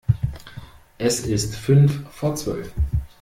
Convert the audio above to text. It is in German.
Es ist fünf vor zwölf.